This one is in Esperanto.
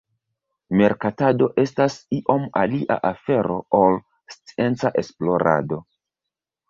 Merkatado estas iom alia afero ol scienca esplorado.